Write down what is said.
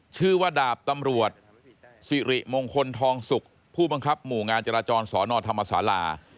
ชื่อว่าดาบตำรวจสิริมงคลทองสุกผู้บังคับหมู่งานจราจรสอนอธรรมศาลา